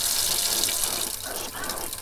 هغه خبرې چي وشوې ډېرې ارزښتمنې وې.